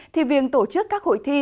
thì viên tổ chức các hội thi